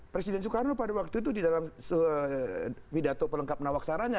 presiden soekarno pada waktu itu di dalam pidato pelengkap nawaksaranya